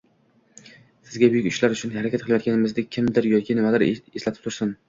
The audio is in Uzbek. Sizga buyuk ishlar uchun harakat qilayotganingizni kimdir yoki nimadir eslatib tursin